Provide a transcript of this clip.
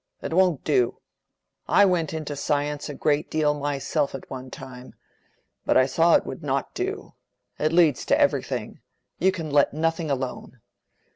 It won't do. I went into science a great deal myself at one time; but I saw it would not do. It leads to everything; you can let nothing alone.